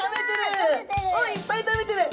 おっいっぱい食べてる！